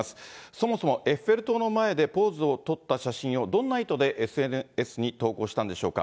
そもそもエッフェル塔の前でポーズを取った写真を、どんな意図でＳＮＳに投稿したんでしょうか。